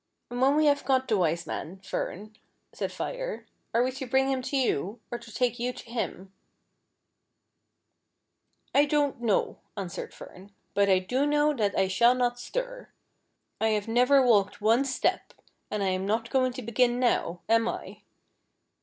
" And when we have got the Wise Man, Fern," said Fire, " are we to bring him to you, or to take you to him .'" loS FIRE AND WATER. " I don't know," answered Fern ;" but I do know that I shall not stir. I have never walked one step, and I am not going to begin now, am I